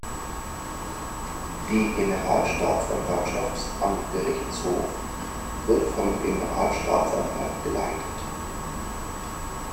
Die Generalstaatsanwaltschaft am Gerichtshof wird vom Generalstaatsanwalt geleitet.